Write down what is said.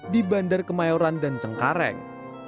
di bandar kemayoran dan cengkareng